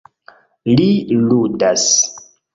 Li ludas.